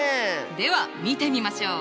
では見てみましょう！